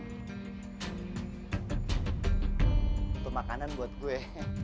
untuk makanan buat gue